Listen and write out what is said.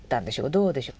どうでしょう？